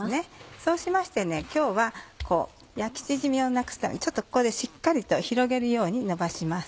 そうしまして今日は焼き縮みをなくすためにちょっとここでしっかりと広げるように伸ばします。